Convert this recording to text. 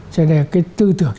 cho nên là cái tư tưởng